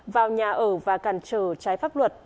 vào nhà ở và cản trở trái pháp luật